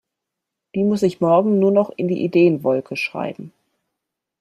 Die muss ich morgen nur noch in die Ideenwolke schreiben.